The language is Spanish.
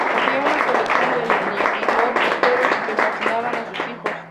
Poseía una colección de lepidópteros que fascinaba a sus hijos.